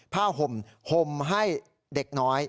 ผ้าห่มห่มให้เด็กน้อย